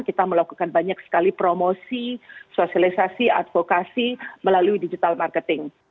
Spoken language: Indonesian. kita melakukan banyak sekali promosi sosialisasi advokasi melalui digital marketing